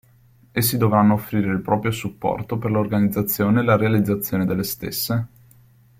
Essi dovranno offrire il proprio supporto per l'organizzazione e la realizzazione delle stesse.